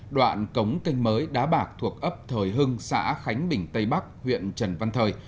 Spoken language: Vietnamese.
đoạn cống canh mới đá bạc thuộc ấp thời hưng xã khánh bình tây bắc huyện trần văn thời